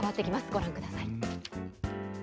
ご覧ください。